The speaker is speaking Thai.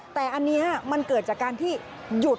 แต่อันนี้มันเกิดจากการที่หยุด